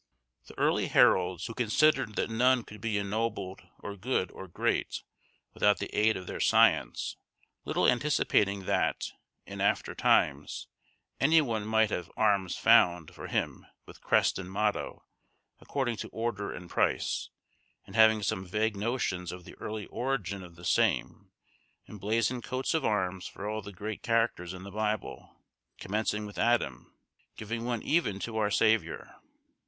The early heralds, who considered that none could be ennobled, or good, or great, without the aid of their science, little anticipating that, in after times, any one might have "arms found" for him, with crest and motto, according to order and price, and having some vague notions of the early origin of the same, emblazoned coats of arms for all the great characters in the Bible, commencing with Adam—giving one even to our Saviour.